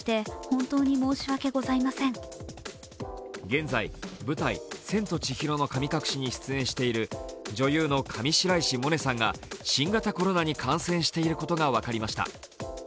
現在、舞台「千と千尋の神隠し」に出演している女優の上白石萌音さんが新型コロナに感染していることが分かりました。